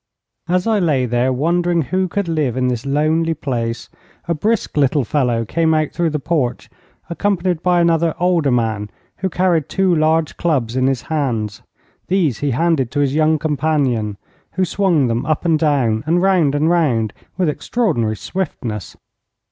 As I lay there, wondering who could live in this lonely place, a brisk little fellow came out through the porch, accompanied by another older man, who carried two large clubs in his hands. These he handed to his young companion, who swung them up and down, and round and round, with extraordinary swiftness.